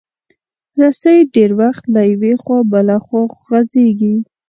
رسۍ ډېر وخت له یوې خوا بله خوا غځېږي.